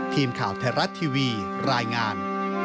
ทีมข่าวไทยรัฐทีวีรายงาน